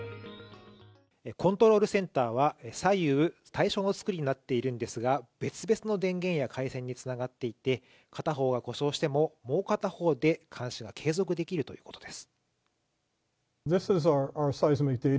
コントロールセンターは左右対称の作りになっているんですが、別々の電源や回線に繋がっていて、片方が故障しても、もう片方で監視が継続できるということです。